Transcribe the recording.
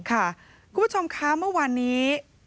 คุณผู้ชมคะเมื่อวานนี้